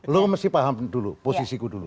lo mesti paham dulu posisiku dulu